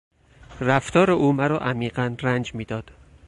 رفتار او مرا عمیقا رنج میداد.